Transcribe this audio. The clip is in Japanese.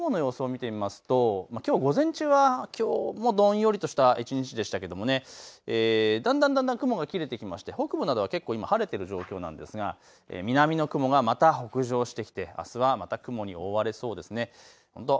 気象衛星による雲の様子を見てみますときょう午前中はきょうもどんよりとした一日でしたけれどもだんだん雲が切れてきまして北部などは結構、今晴れている状況なんですが南の雲がまた北上してきてあすはまた雲に覆われそうです。